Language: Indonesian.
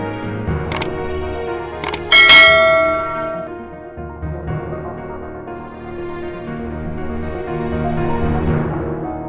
mas aku mau pergi